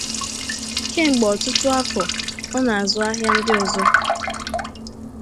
Kemgbe ọtụtụ afọ, ọ na-azụ ahịa ndị ọzọ.